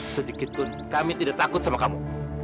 sedikit pun kami tidak takut sama kamu